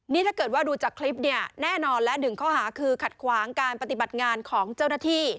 นี่ถ้าเกิดว่าดูจากคลิปเนี่ยแน่นอนและหนึ่งข้อหาคือขัดขวางการปฏิบัติงานของเจ้าหน้าที่